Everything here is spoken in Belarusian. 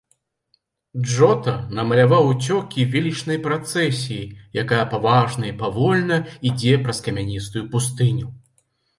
Джота намаляваў уцёкі велічнай працэсіяй, якая паважна і павольна ідзе праз камяністую пустыню.